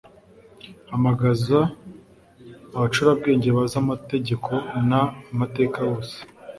hamagaza abacurabwenge bazi amategeko n amateka bose